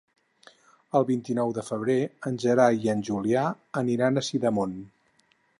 El vint-i-nou de febrer en Gerai i en Julià aniran a Sidamon.